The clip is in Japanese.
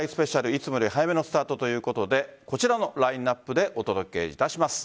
いつもより早めのスタートということでこちらのラインナップでお届けいたします。